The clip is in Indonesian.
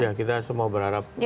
ya kita semua berharap